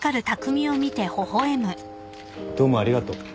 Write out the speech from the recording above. どうもありがとう。